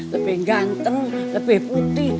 lebih ganteng lebih putih